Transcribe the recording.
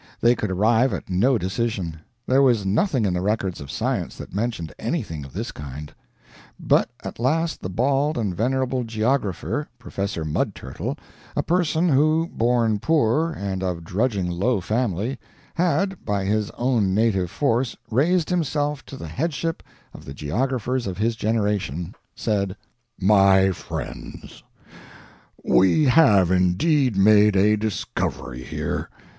They could arrive at no decision. There was nothing in the records of science that mentioned anything of this kind. But at last the bald and venerable geographer, Professor Mud Turtle, a person who, born poor, and of a drudging low family, had, by his own native force raised himself to the headship of the geographers of his generation, said: "'My friends, we have indeed made a discovery here.